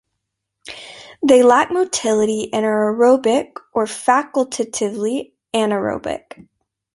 They lack motility and are aerobic or facultatively anaerobic.